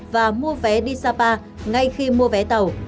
và mua vé đi sapa ngay khi mua vé tàu